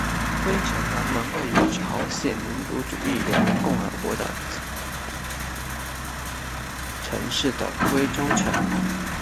龟城南门位于朝鲜民主主义人民共和国的平安北道龟城市的龟州城。